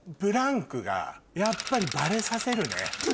やっぱりバレさせるね。